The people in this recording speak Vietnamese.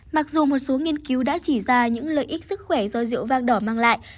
mặc dù một số nghiên cứu đã chỉ ra những lợi ích sức khỏe do rượu vang đỏ mang lại